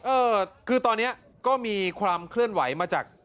เออคือตอนนี้ก็มีความเคลื่อนไหวมาจาก